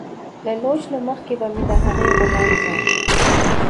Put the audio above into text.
له لوشلو مخکې به مې د هغې غولانځه